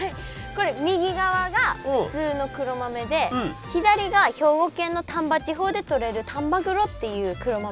これ右側が普通の黒豆で左が兵庫県の丹波地方でとれる丹波黒っていう黒豆。